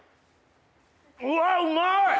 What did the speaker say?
うわうまい！